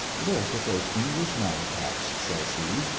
"Look at those English madcaps!" says he.